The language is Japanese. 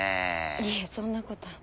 いえそんなこと。